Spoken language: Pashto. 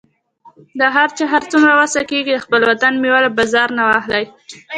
د هر چا هر څومره وسه کیږي، د خپل وطن میوه له بازارونو واخلئ